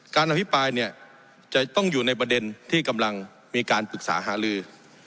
อภิปรายเนี่ยจะต้องอยู่ในประเด็นที่กำลังมีการปรึกษาหาลือ